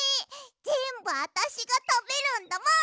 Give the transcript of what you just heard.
ぜんぶあたしがたべるんだもん！